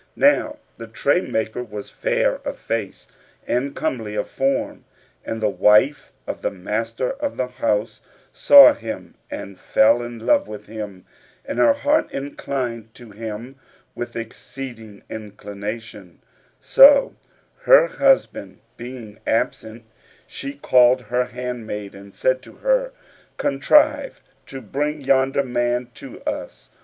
Now the tray maker was fair of face and comely of form, and the wife of the master of the house saw him and fell in love with him and her heart inclined to him with exceeding inclination; so, her husband being absent, she called her handmaid and said to her, "Contrive to bring yonder man to us."